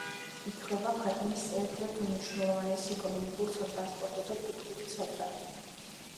ითვლება ქვეყნის ერთ-ერთ უმნიშვნელოვანეს ეკონომიკურ, სატრანსპორტო და კულტურულ ცენტრად.